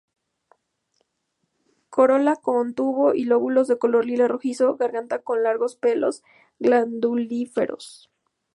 Corola con tubo y lóbulos de color lila rojizo, garganta con largos pelos glandulíferos.